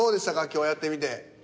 今日やってみて。